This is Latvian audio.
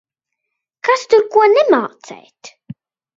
Kas tur ko nemācēt?!